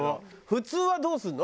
普通はどうするの？